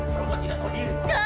kamu tidak bisa